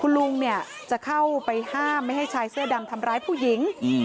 ลุงเนี่ยจะเข้าไปห้ามไม่ให้ชายเสื้อดำทำร้ายผู้หญิง